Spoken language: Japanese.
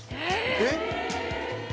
えっ！